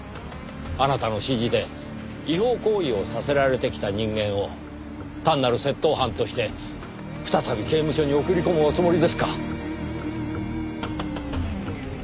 あなたの指示で違法行為をさせられてきた人間を単なる窃盗犯として再び刑務所に送り込むおつもりですか？